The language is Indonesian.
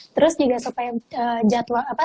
terus juga supaya